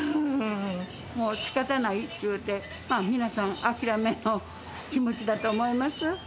もうしかたないって言うて、皆さん、諦めの気持ちだと思います。